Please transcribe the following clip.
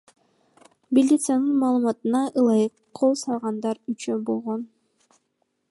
Милициянын маалыматына ылайык, кол салгандар үчөө болгон.